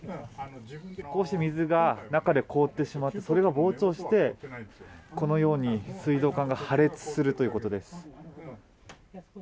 こうして水が中で凍ってしまってそれが膨張してこのように水道管が破裂するということです。